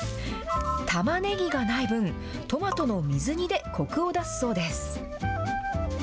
たまねぎがない分、トマトの水煮でこくを出すそうです。